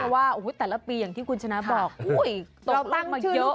แต่แต่ละปีที่คุณชนะบอกตักลูกมาเยอะ